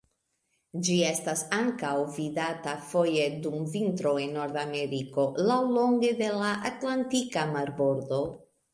Ĝi estas ankaŭ vidata foje dum vintro en Nordameriko laŭlonge de la Atlantika Marbordo.